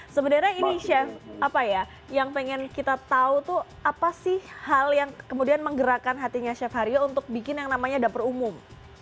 sebenarnya ini chef apa ya yang pengen kita tahu tuh apa sih hal yang kemudian menggerakkan hatinya chef haryo untuk bikin yang namanya dapur umum